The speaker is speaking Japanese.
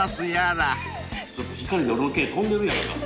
ちょっと光で俺の毛飛んでるやんか。